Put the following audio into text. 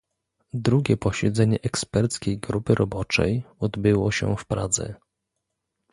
Drugie posiedzenie eksperckiej grupy roboczej odbyło się w Pradze